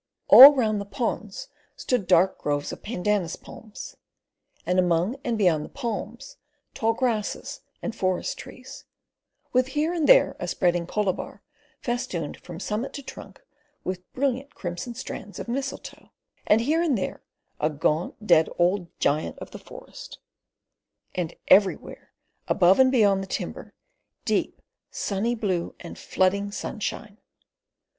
All round the ponds stood dark groves of pandanus palms, and among and beyond the palms tall grasses and forest trees, with here and there a spreading colabar festooned from summit to trunk with brilliant crimson strands of mistletoe, and here and there a gaunt dead old giant of the forest, and everywhere above and beyond the timber deep sunny blue and flooding sunshine.